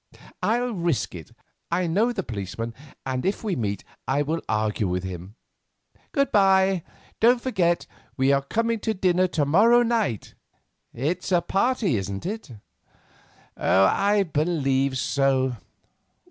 I'll risk it; I know the policeman, and if we meet I will argue with him. Good bye; don't forget we are coming to dinner to morrow night. It's a party, isn't it?" "I believe so."